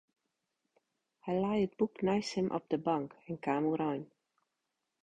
Hy lei it boek neist him op de bank en kaam oerein.